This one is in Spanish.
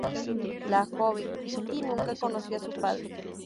La joven Cristi nunca conoció a su padre.